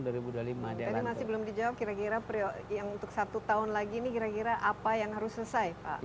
tadi masih belum dijawab kira kira yang untuk satu tahun lagi ini kira kira apa yang harus selesai pak